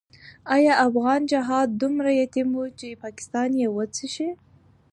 آیا افغان جهاد دومره یتیم وو چې پاکستان یې وصي شي؟